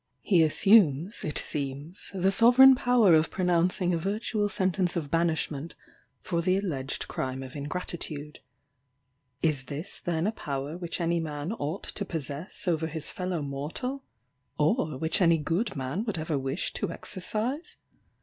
He assumes, it seems, the sovereign power of pronouncing a virtual sentence of banishment, for the alleged crime of ingratitude. Is this then a power which any man ought to possess over his fellow mortal? or which any good man would ever wish to exercise?